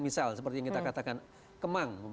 misal seperti yang kita katakan kemang